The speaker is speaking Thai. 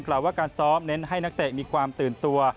ว่าการซ้อมเน้นให้นักเตะมีความตื่นตัว